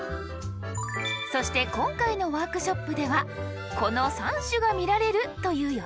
そして今回のワークショップではこの３種が見られるという予想。